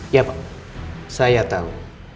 ya pak saya tahu